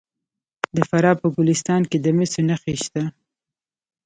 د فراه په ګلستان کې د مسو نښې شته.